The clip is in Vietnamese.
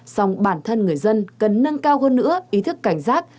xong bản thân người dân cần nâng cao hơn nữa ý thức cảnh giác